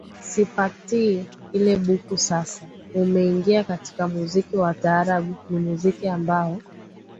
siipati ile buku Sasa umeingia katika muziki wa taarabu Ni muziki ambao